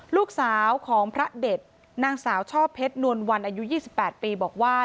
ลูกสาวของพระเด็ดนางสาวช่อเพชรนวลวันอายุ๒๘ปีบอกว่า